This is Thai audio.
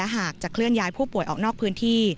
หากจะเคลื่อนย้ายผู้ป่วยออกนอกพื้นที่